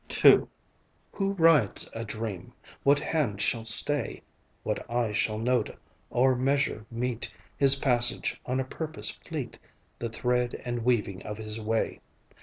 II Who rides a dream, what hand shall stay! What eye shall note or measure mete His passage on a purpose fleet, The thread and weaving of his way!